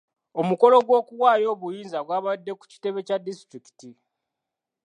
Omukolo gw'okuwaayo obuyinza gw'abadde ku kitebe kya disitulikiti.